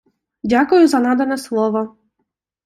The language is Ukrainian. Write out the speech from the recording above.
Дякую за надане слово!